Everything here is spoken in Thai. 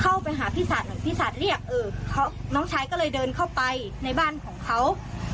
เข้าไปหาพี่สาดหน่อยพี่สาดเรียกเออน้องชายก็เลยเดินเข้าไปในบ้านของเขา